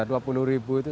rp dua puluh itu satu bulan